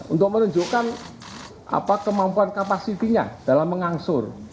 untuk menunjukkan kemampuan kapasitinya dalam mengangsur